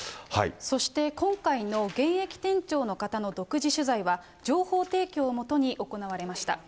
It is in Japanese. そして今回の現役店長の方の独自取材は、情報提供をもとに行われました。